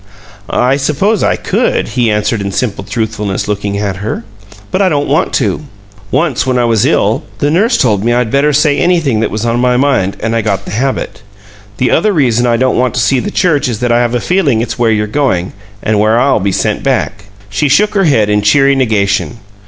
"I suppose I could," he answered in simple truthfulness, looking at her. "But I don't want to. Once, when I was ill, the nurse told me I'd better say anything that was on my mind, and I got the habit. The other reason I don't want to see the church is that I have a feeling it's where you're going, and where I'll be sent back." She shook her head in cheery negation.